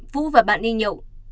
vũ và bạn đi nhậu